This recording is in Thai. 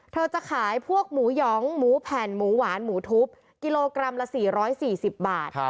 เธอจะขายพวกหมูหยองหมูแผ่นหมูหวานหมูทุบกิโลกรัมละ๔๔๐บาท